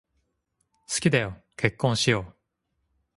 好きだよ、結婚しよう。